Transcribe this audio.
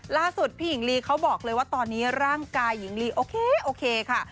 ล่าสุดพี่หญิงลีเขาบอกเลยว่าตอนนี้ร่างกายหญิงลีโอเคโอเคค่ะ